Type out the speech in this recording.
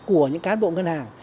của những cán bộ ngân hàng